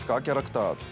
キャラクター。